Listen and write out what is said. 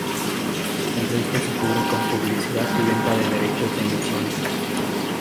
El resto se cubre con publicidad y venta de derechos de emisión.